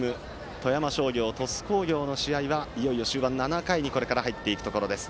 富山商業と鳥栖工業の試合はいよいよ終盤７回にこれから入っていくところです。